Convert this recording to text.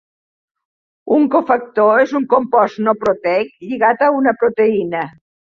Un cofactor és un compost no proteic lligat a una proteïna.